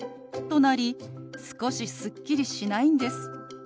なり少しすっきりしないんです。